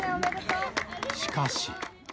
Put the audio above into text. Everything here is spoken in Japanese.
しかし。